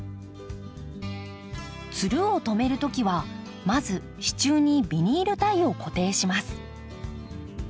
つるを留める時はまず支柱にビニールタイを固定します。